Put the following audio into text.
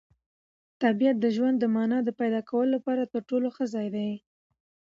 طبیعت د ژوند د مانا د پیدا کولو لپاره تر ټولو ښه ځای دی.